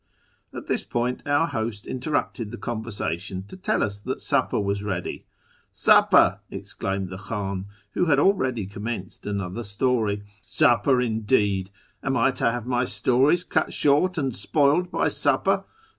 At this point our host interrupted the conversation to tell us that supper was ready. " Supper !" exclaimed the Khan, w^ho had already commenced another story, " Supper, indeed ! Am I to have my stories cut short and spoiled by supper?